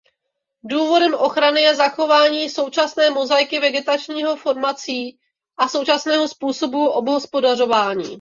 Důvodem ochrany je zachování současné mozaiky vegetačních formací a současného způsobu obhospodařování.